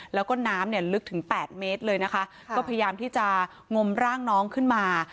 แล้วก็น้ำเนี่ยลึกถึง๘เมตรเลยนะคะก็พยายามที่จะงมร่างน้องขึ้นมา